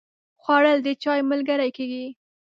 خوړل د چای ملګری کېږي